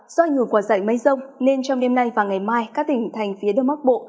do ảnh hưởng của giải mây rông nên trong đêm nay và ngày mai các tỉnh thành phía đông bắc bộ